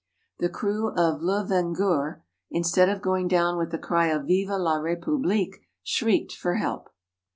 The crew of Le Vengeur, instead of going down with the cry of "Vive la République!" shrieked for help.